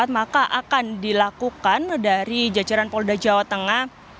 maka akan dilakukan dari jajaran polda jawa tengah